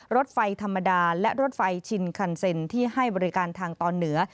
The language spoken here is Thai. รถไฟธรรมดาและรถไฟชินคันเซ็นที่ให้บริการทางตอนเหนือ